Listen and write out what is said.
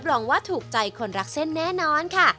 รองว่าถูกใจคนรักเส้นแน่นอนค่ะ